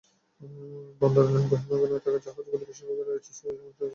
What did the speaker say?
বন্দরের বহির্নোঙরে থাকা জাহাজগুলোর বেশির ভাগেই রয়েছে সিমেন্ট শিল্পের কাঁচামাল ক্লিংকার।